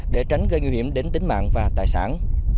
để tránh gây nguy hiểm đến tính mạng và tài sản